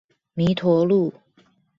彌陀路